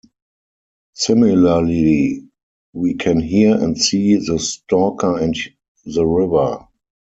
Similarly, we can hear and see the Stalker and the river.